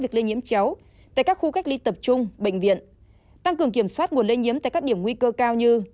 việc lây nhiễm chéo tại các khu cách ly tập trung bệnh viện tăng cường kiểm soát nguồn lây nhiễm tại các điểm nguy cơ cao như